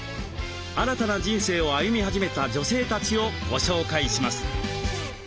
新たな人生を歩み始めた女性たちをご紹介します。